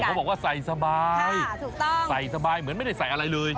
โหเขาบอกว่าใส่สบายใช่ถูกต้องใส่สบายเหมือนไม่ได้ใส่อะไรเลย